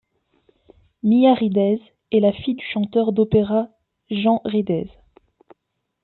Mia Riddez est la fille du chanteur d'opéra Jean Riddez.